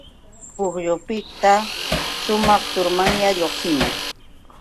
Pukyupiqta sumaq turumanya lluqsimun.